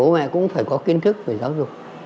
bố mẹ cũng phải có kiến thức về giáo dục